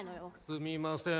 すみません